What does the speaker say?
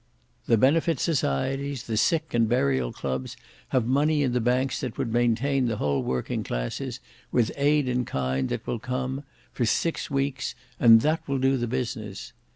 "The Benefit Societies, the Sick and Burial Clubs, have money in the banks that would maintain the whole working classes, with aid in kind that will come, for six weeks, and that will do the business.